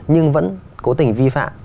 nhưng vẫn cố tình vi phạm